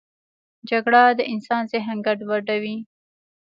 جګړه د انسان ذهن ګډوډوي